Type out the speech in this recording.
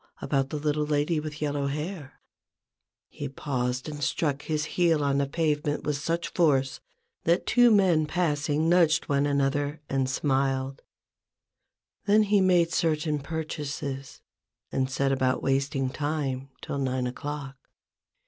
about the little lady with yellow hair ? He paused and struck his heel on the pavement with such force, that two men passing nudged one another and THE BUSINESS OF MADAME JAHN. 85 smiled. Then he made certain purchases, and set about wasting time till nine o'clock.